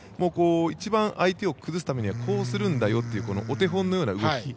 相手を崩すためにはこうするんだよというお手本のような動き。